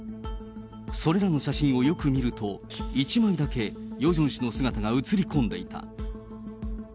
それらの写真をよく見ると、１枚だけ、ヨジョン氏の姿が写り込んでいた。